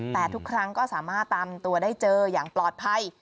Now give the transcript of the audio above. แต่ทุกครั้งก็สามารถตามตัวได้เจออย่างปลอดภัย